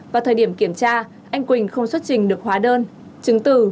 vào thời điểm kiểm tra anh quỳnh không xuất trình được hóa đơn chứng từ